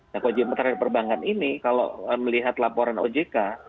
nah kewajiban terhadap perbankan ini kalau melihat laporan ojk